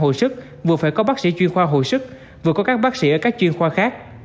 hồi sức vừa phải có bác sĩ chuyên khoa hồi sức vừa có các bác sĩ ở các chuyên khoa khác